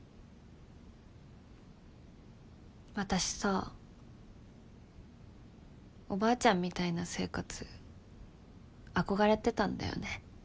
私さおばあちゃんみたいな生活憧れてたんだよね。